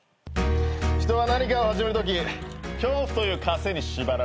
人は何かを始めるとき恐怖というかせに縛られる。